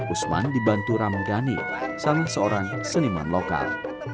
usman dibantu ram ghani salah seorang seniman lokal